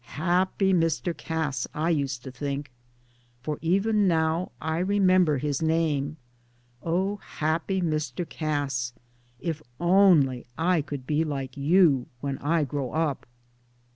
" Happy Mr. Cass," I used to think, for even now I remember his name " Oh, happy Mr. Cass, if only I could be like you when I grow up."